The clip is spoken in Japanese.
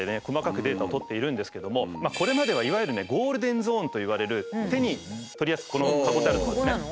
細かくデータを取っているんですけどもこれまではいわゆる「ゴールデンゾーン」といわれる手に取りやすいこの囲ってあるとこですね